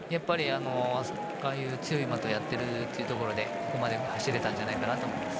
ああいう強い馬とやっているというところでここまで走れたんじゃないかなと思います。